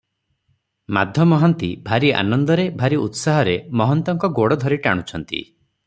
ମାଧ ମହାନ୍ତି ଭାରି ଆନନ୍ଦରେ, ଭାରି ଉତ୍ସାହରେ ମହନ୍ତଙ୍କ ଗୋଡ଼ ଧରି ଟାଣୁଛନ୍ତି ।